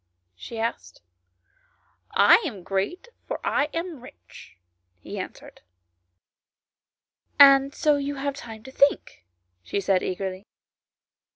" she asked. " I am great, for I am rich," he answered. " And so you have time to think," she said eagerly.